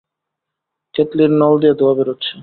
কেতলির নল দিয়ে ধোঁয়া বেরুচ্ছে।